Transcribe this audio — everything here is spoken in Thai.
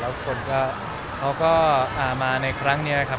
แล้วคนก็เขาก็มาในครั้งนี้นะครับ